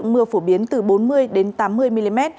mưa phổ biến từ bốn mươi tám mươi mm